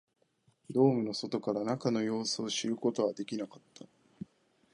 ドームの外から中の様子を知ることはできなかった